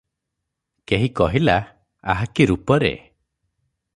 କେହି କହିଲା – ଆହା କି ରୂପ ରେ!